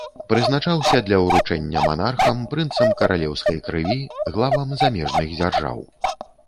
Прызначаўся для ўручэння манархам, прынцам каралеўскай крыві, главам замежных дзяржаў.